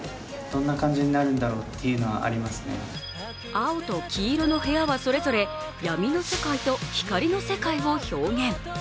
青と黄色の部屋はそれぞれ闇の世界と光の世界を表現。